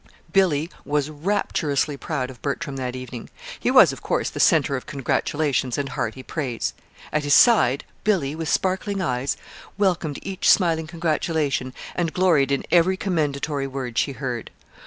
Billy was rapturously proud of Bertram that evening. He was, of course, the centre of congratulations and hearty praise. At his side, Billy, with sparkling eyes, welcomed each smiling congratulation and gloried in every commendatory word she heard.